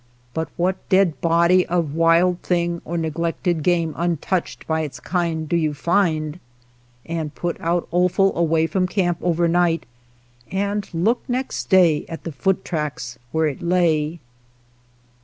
But what dead body of wild thing, or neglected game untouched by its kind, do you find .'* And put out offal away from camp over night, and look next day at the foot tracks where it lay.